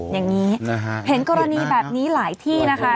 อย่างนี้เห็นกรณีแบบนี้หลายที่นะคะ